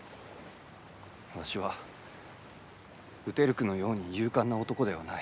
わしはウテルクのように勇敢な男ではない。